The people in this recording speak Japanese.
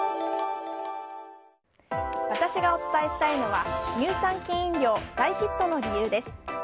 私がお伝えしたいのは乳酸菌飲料大ヒットの理由です。